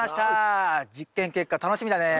実験結果楽しみだね。